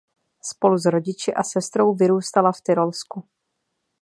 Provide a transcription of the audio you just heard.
Spolu s rodiči a sestrou vyrůstala v Tyrolsku.